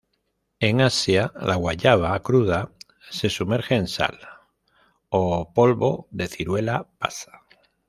En Asia, la guayaba cruda se sumerge en sal o polvo de ciruela pasa.